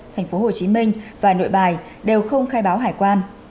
tp hồ chí minh và nội bài đều không khai báo hải quan